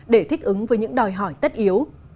để thích ứng với những đòi hỏi tất yếu